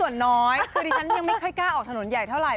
น้อยดีฉันไม่ค่อยกล้าออกถนนใหญ่เท่าไหร่